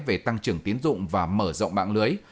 về tăng trưởng tiến dụng và mở rộng mạng lưới